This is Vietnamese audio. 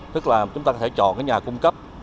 tức là chúng ta có thể chọn cái nhà cung cấp